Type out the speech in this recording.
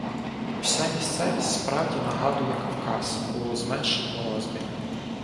Уся місцевість справді нагадує Кавказ у зменшеному розмірі.